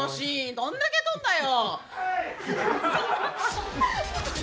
どんだけ撮んだよ！